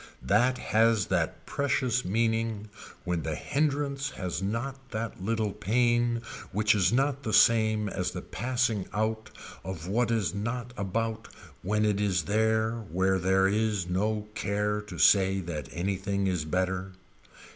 That has that precious meaning when the hindrance has not that little pain which is not the same as the passing out of what is not about when it is there where there is no care to say that anything is better.